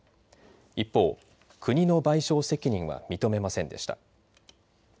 一方、国の賠償責任は認めませんでした。